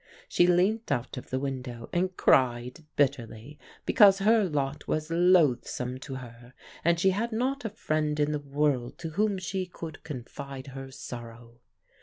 She leant out of the window, and cried bitterly because her lot was loathsome to her, and she had not a friend in the world to whom she could confide her sorrow.